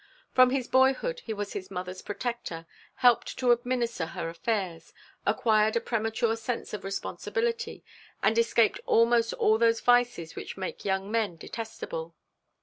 From his boyhood he was his mother's protector, helped to administer her affairs, acquired a premature sense of responsibility, and escaped almost all those vices which make young men detestable.